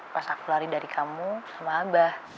pas aku lari dari kamu sama abah